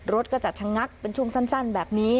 รถก็จะชะงักเป็นช่วงสั้นแบบนี้